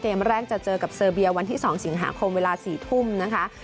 แรกจะเจอกับเซอร์เบียวันที่๒สิงหาคมเวลา๔ทุ่มนะคะ